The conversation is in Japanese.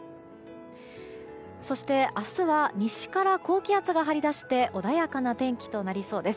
そして明日は西から高気圧が張り出して穏やかな天気となりそうです。